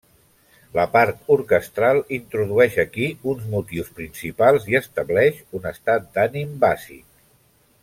La part orquestral introdueix aquí uns motius principals i estableix un estat d'ànim bàsic.